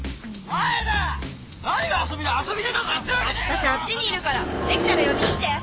わたしあっちにいるからできたら呼びに来て。